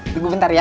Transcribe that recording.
tunggu bentar ya